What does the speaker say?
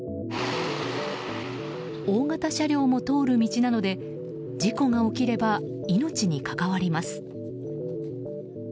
大型車両も通る道なので事故が起きれば命にかかわります。